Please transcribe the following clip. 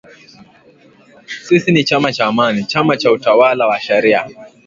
“Sisi ni chama cha Amani, chama cha utawala wa sharia''